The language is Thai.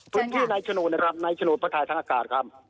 ทุกที่ในโฉนดนะครับในโฉนดพระทายทางอากาศครับ